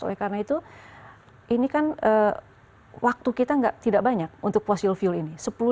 oleh karena itu ini kan waktu kita tidak banyak untuk fossil fuel ini